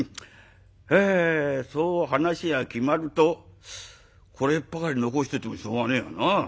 えそう話が決まるとこれっぱかり残しててもしょうがねえよな。